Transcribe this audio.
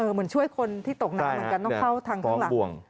เหมือนช่วยคนที่ตกน้ำเหมือนกันต้องเข้าทางข้างหลัง